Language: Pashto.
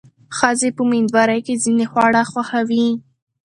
ښځې په مېندوارۍ کې ځینې خواړه خوښوي.